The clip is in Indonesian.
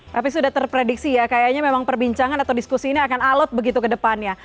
tapi sudah terprediksi ya kayaknya memang perbincangan atau diskusi ini akan alot begitu ke depannya